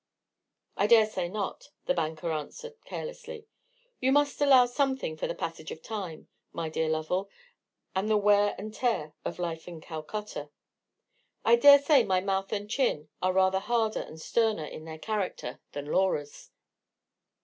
"I dare say not," the banker answered, carelessly; "you must allow something for the passage of time, my dear Lovell, and the wear and tear of a life in Calcutta. I dare say my mouth and chin are rather harder and sterner in their character than Laura's."